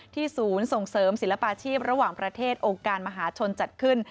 ศูนย์ส่งเสริมศิลปาชีพระหว่างประเทศองค์การมหาชนจัดขึ้น